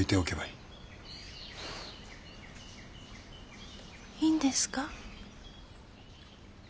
いいんですか？